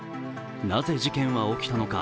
なぜ事件は起きたのか。